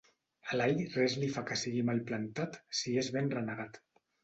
A l'all res li fa que sigui mal plantat si és ben renegat.